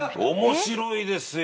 面白いですよ